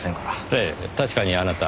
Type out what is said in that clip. ええ確かにあなた。